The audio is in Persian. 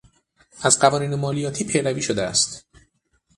از قوانین مالیاتی پیروی شده است